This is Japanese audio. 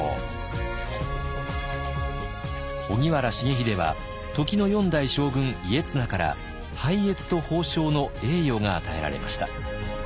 荻原重秀は時の四代将軍家綱から拝謁と褒章の栄誉が与えられました。